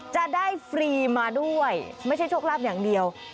จะได้ฟรีมาด้วยไม่ใช่โชคลาภอย่างเดียว